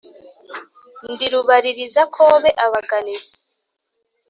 Ndi rubalirizakobe abaganizi.